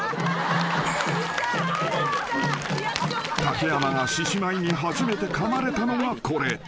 ［竹山が獅子舞に初めてかまれたのがこれ］